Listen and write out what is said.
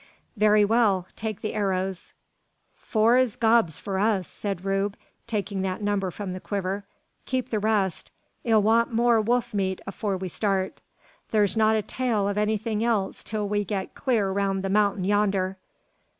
"Very well! take the arrows." "Four's gobs for us," said Rube, taking that number from the quiver. "Keep the rest. 'Ee'll want more wolf meat afore we start. Thur's not a tail o' anythin' else till we git clur roun' the mountain yander.